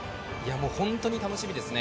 ホントに楽しみですね。